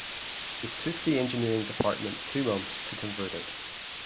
It took the Engineering department two months to convert it.